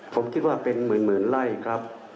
ผมคิดว่าเป็นหมื่นไร่ครับ